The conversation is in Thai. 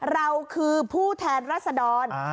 เราคือผู้แทนรัศดร